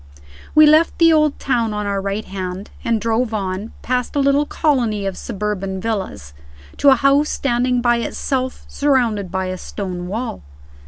We left the Old Town on our right hand, and drove on, past a little colony of suburban villas, to a house standing by itself, surrounded by a stone wall.